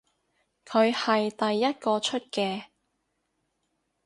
佢係第一個出嘅